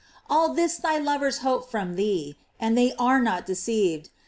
All this thy lovers hope from thee, and they are not deceived.